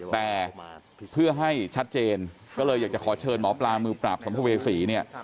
แต่เพื่อให้ชัดเจนก็เลยอยากจะขอเชิญหมอปลามือปราบสัมภเวษีเนี่ย